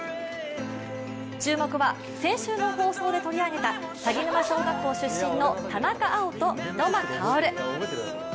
注目は先週の放送で取り上げた鷺沼小学校出身の田中碧と三笘薫。